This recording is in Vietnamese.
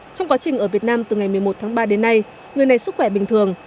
trong quá trình ở việt nam từ ngày một mươi một tháng ba đến nay người này sức khỏe bình thường